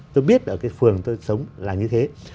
tôi biết ở cái phường tôi sống là như thế